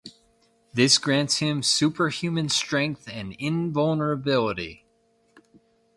This grants him superhuman strength and invulnerability.